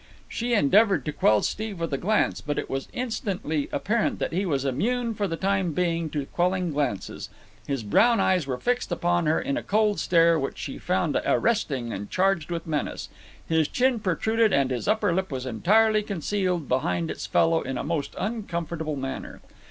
She endeavoured to quell Steve with a glance, but it was instantly apparent that he was immune for the time being to quelling glances. His brown eyes were fixed upon her in a cold stare which she found arresting and charged with menace. His chin protruded and his upper lip was entirely concealed behind its fellow in a most uncomfortable manner.